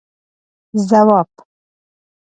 ځواب: